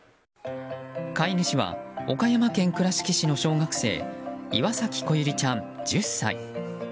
飼い主は岡山県倉敷市の小学生岩崎倖結ちゃん、１０歳。